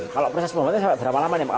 kalau proses membuatnya berapa lama